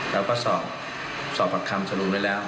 เราก็สอบปักคำจรูนไว้แล้ว